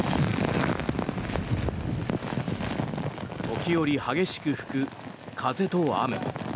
時折激しく吹く風と雨。